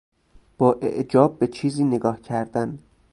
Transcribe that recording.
با اعجاب به چیزی نگاه کردن